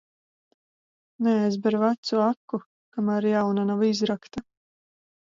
Neaizber vecu aku, kamēr jauna nav izrakta.